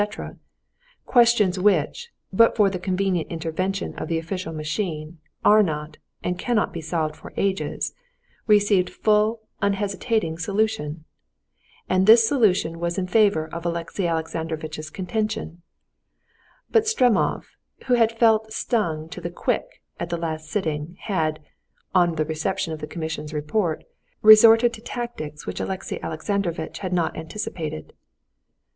—questions which, but for the convenient intervention of the official machine, are not, and cannot be solved for ages—received full, unhesitating solution. And this solution was in favor of Alexey Alexandrovitch's contention. But Stremov, who had felt stung to the quick at the last sitting, had, on the reception of the commission's report, resorted to tactics which Alexey Alexandrovitch had not anticipated.